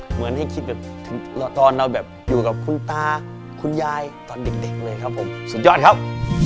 เหมือนให้คิดแบบตอนเราแบบอยู่กับคุณตาคุณยายตอนเด็กเลยครับผมสุดยอดครับ